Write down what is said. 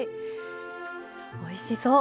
おいしそう。